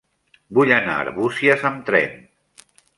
Vull anar a Arbúcies amb tren.